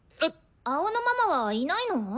青野ママはいないの？